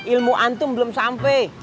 ilmu antum belum sampai